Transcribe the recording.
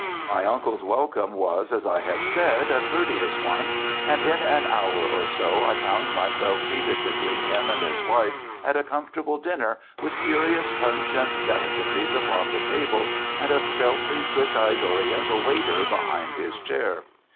My uncle's welcome was, as I have said, a courteous one, and in an hour or so I found myself seated between him and his wife at a comfortable dinner, with curious pungent delicacies upon the table, and a stealthy, quick eyed Oriental waiter behind his chair.